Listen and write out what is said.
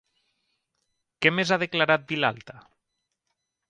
Què més ha declarat, Vilalta?